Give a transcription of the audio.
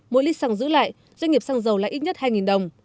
mỗi lít xăng giữ lại doanh nghiệp xăng dầu lại ít nhất hai đồng